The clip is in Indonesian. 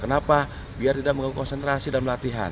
kenapa biar tidak mengganggu konsentrasi dan latihan